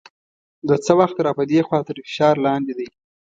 له څه وخته را په دې خوا تر فشار لاندې دی.